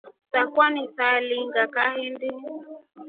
Sakwa nisailinga kahindi.